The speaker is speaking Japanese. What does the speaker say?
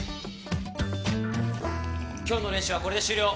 今日の練習はこれで終了。